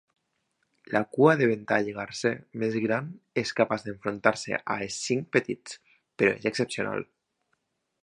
La cua de ventall garser més gran és capaç d'enfrontar-se a escincs petits, però és excepcional.